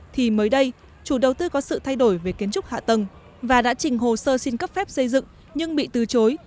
thì mới đây chủ đầu tư có sự thay đổi về kiến trúc hạ tầng và đã trình hồ sơ xin cấp phép xây dựng nhưng bị từ chối